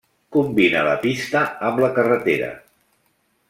Combina la pista amb la carretera.